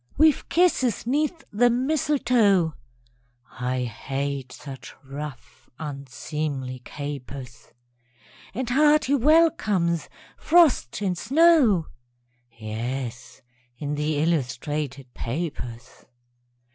_) We've kisses 'neath the mistletoe (I hate such rough, unseemly capers!) And hearty welcomes, frost and snow; (_Yes, in the illustrated papers.